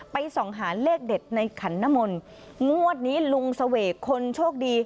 ส่องหาเลขเด็ดในขันนมลงวดนี้ลุงเสวกคนโชคดี